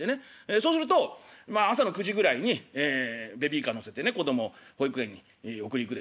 そうするとまあ朝の９時ぐらいにベビーカー乗せてね子供を保育園に送り行くでしょ？